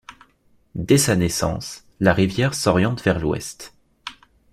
Dès sa naissance, la rivière s'oriente vers l'ouest.